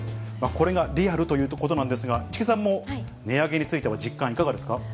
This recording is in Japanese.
これがリアルということなんですが、市來さんも値上げについては実感、いかがですか？